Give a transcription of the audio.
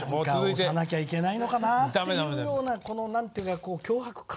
時間押さなきゃいけないのかなっていうようなこの何ていうか強迫観念。